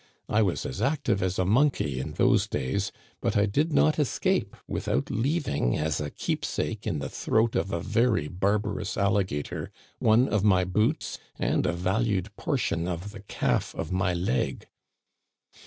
I was as active as a monkey in those days ; but I did not escape without leaving as a keepsake in the throat of a very barbarous alligator one of my boots and a valued portion of the calf of my leg.